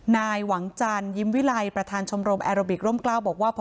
นายหวังจันยิ้มวิลัยประธานชมรมแอโรบิกร่มกล้าวบอกว่า